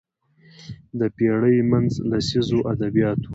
د پېړۍ منځ لسیزو ادبیات وو